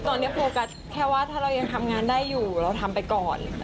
ตอนนี้โฟกัสแค่ว่าถ้าเรายังทำงานได้อยู่เราทำไปก่อน